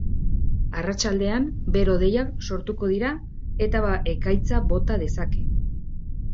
Arratsaldean, bero-hodeiak sortuko dira eta ekaitza bota dezake.